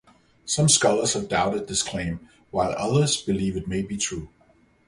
Some scholars have doubted this claim, while others believe it may be true.